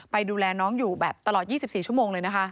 ดูแลน้องอยู่แบบตลอด๒๔ชั่วโมงเลยนะคะ